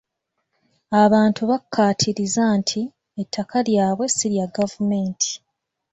Abantu bakkaatiriza nti ettaka lyabwe si lya gavumenti.